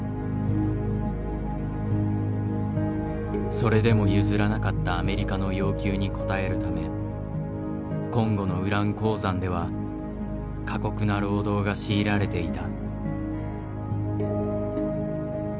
それでも譲らなかったアメリカの要求に応えるためコンゴのウラン鉱山では過酷な労働が強いられていた。